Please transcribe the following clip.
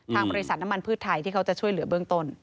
บริษัทน้ำมันพืชไทยที่เขาจะช่วยเหลือเบื้องต้น